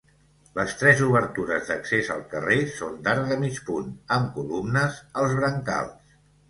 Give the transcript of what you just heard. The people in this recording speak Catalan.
Les tres obertures d'accés al carrer són d'arc de mig punt amb columnes als brancals.